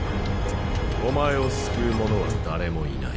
お前を救う者は誰もいない。